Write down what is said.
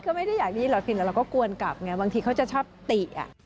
ก็ไม่ได้อยากได้ยินเราก็กวนกลับบางทีเขาจะชอบติ